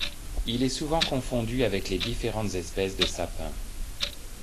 Il est souvent confondu avec les différentes espèces de sapins.